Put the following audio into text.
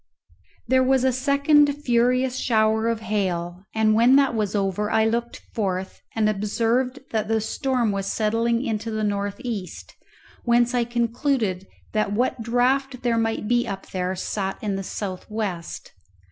There was a second furious shower of hail, and when that was over I looked forth, and observed that the storm was settling into the north east, whence I concluded that what draught there might be up there sat in the south west.